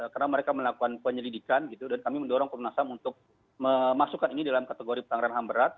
karena mereka melakukan penyelidikan dan kami mendorong komnasam untuk memasukkan ini dalam kategori penanggaran hamberat